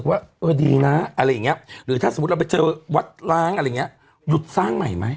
อ่ะดีนะหรือถ้าสมมุติเราไปเจอวัดล้าง